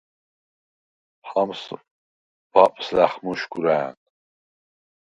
ჰამს ბაპს ლა̈ხმუშგუ̂რა̄̈ნ.